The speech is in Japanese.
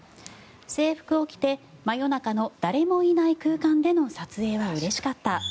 制服を着て真夜中の誰もいない空間での撮影はうれしかった。